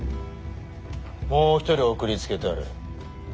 もう一人送りつけたる。